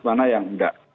mana yang tidak